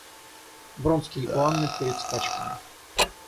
Вронский у Анны перед скачками.